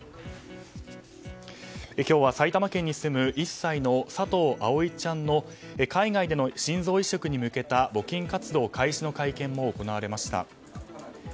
今日は、埼玉県に住む１歳の佐藤葵ちゃんの海外での心臓移植に向けた募金活動開始の会見も行われました。